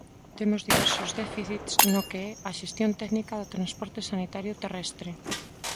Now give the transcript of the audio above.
Temos diversos déficits no que é a xestión técnica do transporte sanitario terrestre.